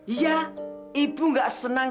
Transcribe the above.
iya ibu gak senang